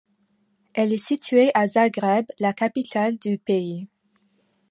Elle est située à Zagreb, la capitale du pays.